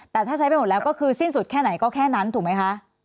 แต่ถ้าใช้ไปหมดแล้วก็คือสิ้นสุดแค่ไหนก็แค่นั้นถูกไหมคะ